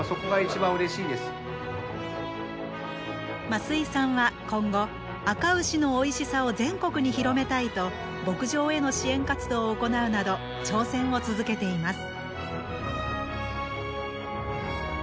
増井さんは、今後あか牛のおいしさを全国に広めたいと牧場への支援活動を行うなど挑戦を続けています。